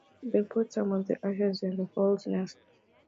They put some of the ashes in the fowls' nests.